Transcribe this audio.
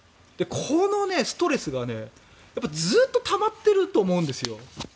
このストレスがずっとたまってると思うんです。